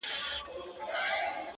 خو مخته دي ځان هر ځلي ملنگ در اچوم